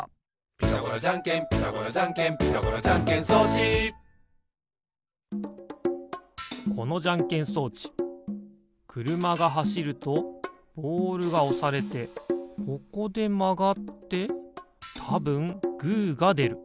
「ピタゴラじゃんけんピタゴラじゃんけん」「ピタゴラじゃんけん装置」このじゃんけん装置くるまがはしるとボールがおされてここでまがってたぶんグーがでる。